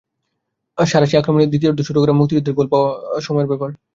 সাঁড়াশি আক্রমণে দ্বিতীয়ার্ধ শুরু করা মুক্তিযোদ্ধার গোল পাওয়া ছিল সময়ের ব্যাপার।